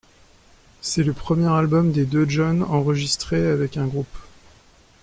C'est le premier album des deux John enregistré avec un groupe.